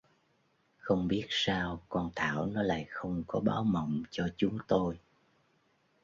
Không biết Sao con Thảo nó lại không có báo mộng cho chúng tôi